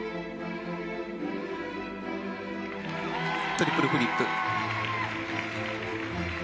トリプルフリップ。